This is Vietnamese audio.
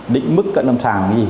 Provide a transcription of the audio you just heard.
định mức cận âm sàng là cái gì